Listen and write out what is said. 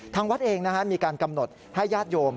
ทางวัดเองมีการกำหนดให้ญาติโยม